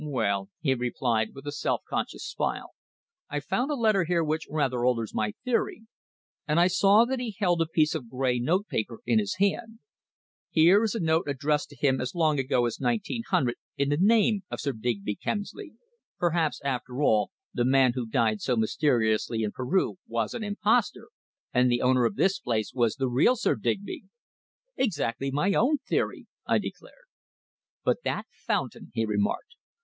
"Well," he replied with a self conscious smile, "I've found a letter here which rather alters my theory," and I saw that he held a piece of grey notepaper in his hand. "Here is a note addressed to him as long ago as 1900 in the name of Sir Digby Kemsley! Perhaps, after all, the man who died so mysteriously in Peru was an impostor, and the owner of this place was the real Sir Digby!" "Exactly my own theory," I declared. "But that fountain!" he remarked.